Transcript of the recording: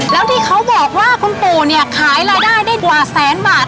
แล้วที่เขาบอกว่าขนมปังขายรายได้ดว่าแสนบาท